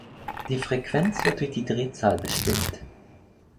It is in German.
Die Frequenz wird durch die Drehzahl bestimmt.